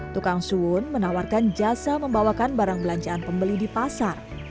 tukang sun menawarkan jasa membawakan barang belanjaan pembeli di pasar